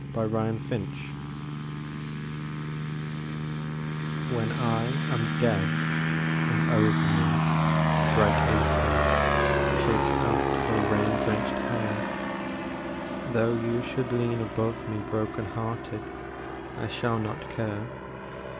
I Shall Not Care When I am dead and over me bright April Shakes out her rain drenched hair, Though you should lean above me broken hearted, I shall not care.